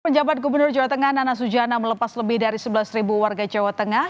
penjabat gubernur jawa tengah nana sujana melepas lebih dari sebelas warga jawa tengah